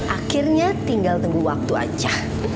akhirnya tinggal tunggu waktu aja